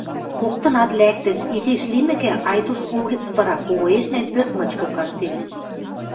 Коктынат лӓктӹт, изиш лимӹкӹ, Айдуш угӹц пыра, когоэшнен, пӧрт мычкы каштеш.